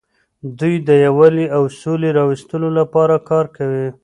دوی د یووالي او سولې د راوستلو لپاره کار کوي.